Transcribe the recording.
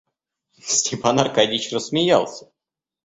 Степан Аркадьич рассмеялся.